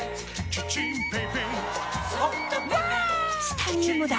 チタニウムだ！